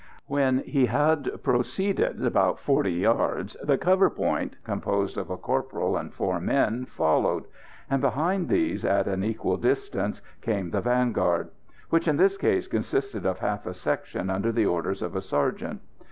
When he had proceeded about 40 yards, the "cover point," composed of a corporal and four men, followed, and behind these, at an equal distance, came the vanguard; which in this case consisted of half a section under the orders of a sergeant.